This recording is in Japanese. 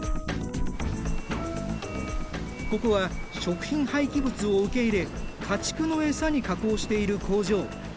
ここは食品廃棄物を受け入れ家畜の餌に加工している工場。